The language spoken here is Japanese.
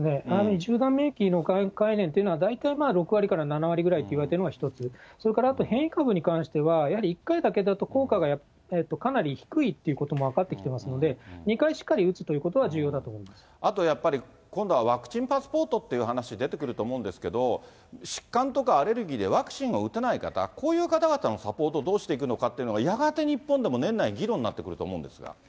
集団免疫の概念というのは、大体６割から７割ぐらいっていわれているのが１つ、それからあと、変異株に関してはやはり１回だけだと効果がかなり低いってことも分かってきてますので、２回しっかり打つということは重要だと思あとやっぱり、今度はワクチンパスポートって話出てくると思うんですけど、疾患とかアレルギーでワクチンを打てない方、こういう方々のサポートどうしていくのかっていうのが、やがて日本でも年内議論になってくると思うんですが。